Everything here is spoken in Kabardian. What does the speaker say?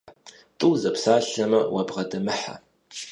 ТӀу зэпсалъэмэ, уабгъэдэмыхьэ.